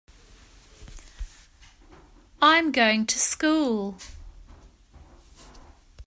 I'm going to school.